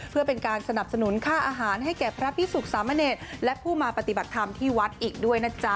เพื่อเป็นการสนับสนุนค่าอาหารให้แก่พระพิสุขสามเนรและผู้มาปฏิบัติธรรมที่วัดอีกด้วยนะจ๊ะ